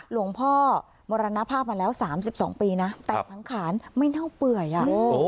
หลวงพ่อมรณภาพมาแล้ว๓๒ปีนะแต่สังขารไม่เน่าเปื่อยอ่ะ